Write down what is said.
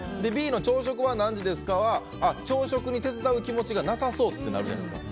Ｂの朝食は何時ですかは朝食を手伝う気がなさそうな感じがするじゃないですか。